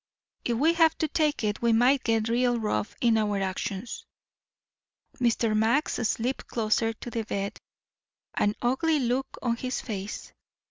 If we have to take it, we might get real rough in our actions." Mr. Max slipped closer to the bed, an ugly look on his face.